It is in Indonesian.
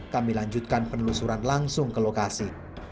kami lanjutkan penelusuran langsung ke lokasi